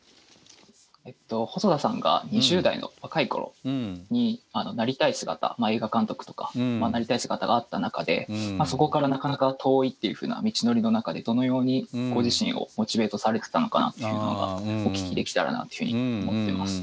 細田さんが２０代の若い頃になりたい姿映画監督とかなりたい姿があった中でそこからなかなか遠いっていうふうな道のりの中でどのようにご自身をモチベートされてたのかなっていうのがお聞きできたらなっていうふうに思ってます。